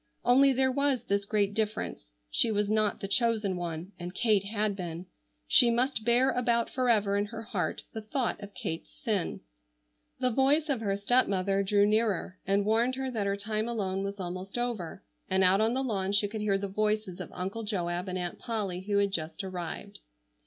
Only there was this great difference. She was not the chosen one, and Kate had been. She must bear about forever in her heart the thought of Kate's sin. The voice of her stepmother drew nearer and warned her that her time alone was almost over, and out on the lawn she could hear the voices of Uncle Joab and Aunt Polly who had just arrived.